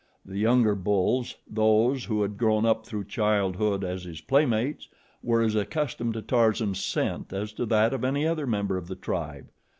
The younger bulls, those who had grown up through childhood as his playmates, were as accustomed to Tarzan's scent as to that of any other member of the tribe.